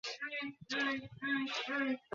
এসব শো কোনো কাজে আসে না।